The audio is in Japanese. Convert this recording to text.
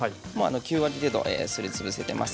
９割程度すりつぶしています。